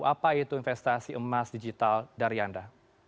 apa itu investasi emas digital dari anda